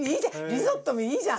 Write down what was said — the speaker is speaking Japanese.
リゾットもいいじゃん！